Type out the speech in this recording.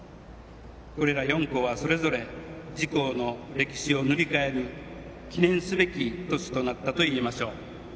これら４校はそれぞれ自校の歴史を塗り替える記念すべき年となったといえましょう。